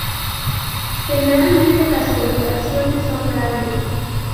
Generalmente las perforaciones son grandes.